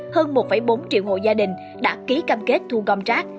hơn một bốn triệu hộ gia đình đã ký cam kết thu gom rác